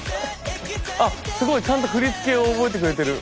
あすごいちゃんと振り付けを覚えてくれてる。